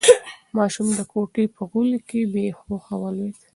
ماشوم د کوټې په غولي کې بې هوښه ولوېد.